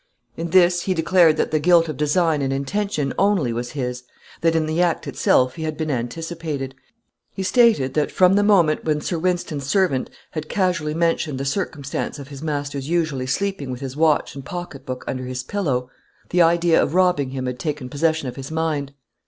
In this he declared that the guilt of design and intention only was his that in the act itself he had been anticipated. He stated, that from the moment when Sir Wynston's servant had casually mentioned the circumstance of his master's usually sleeping with his watch and pocketbook under his pillow, the idea of robbing him had taken possession of his mind.